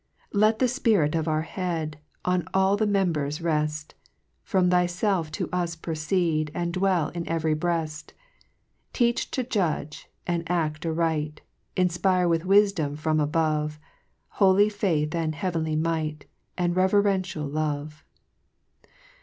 2 Let the Spirit of our Head On all the members reft, From thyfelf to us proceed And dwell in every bread ; Teach to judge and ael aright, Jnfpire with wifdom from above, Holv faith and heavenly might, And reverential love.